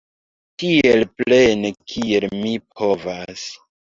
Tiel plene kiel mi povas.